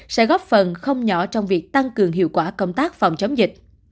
sẽ góp phần không nhỏ trong việc tăng cường hiệu quả công tác phòng chống dịch